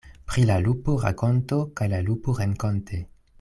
Pri la lupo rakonto, kaj la lupo renkonte.